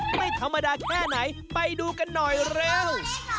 ไม่ธรรมดาแค่ไหนไปดูกันหน่อยเร็ว